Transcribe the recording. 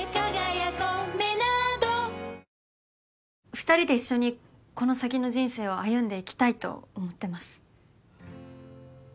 ２人で一緒にこの先の人生を歩んでいきたいと思ってます。